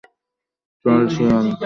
চল, শেয়াল।